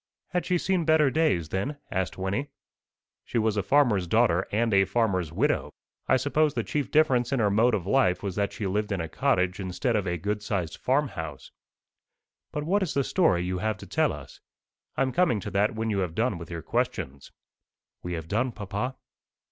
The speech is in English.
'" "Had she seen better days, then?" asked Wynnie. "She was a farmer's daughter, and a farmer's widow. I suppose the chief difference in her mode of life was that she lived in a cottage instead of a good sized farmhouse." "But what is the story you have to tell us?" "I'm coming to that when you have done with your questions." "We have done, papa."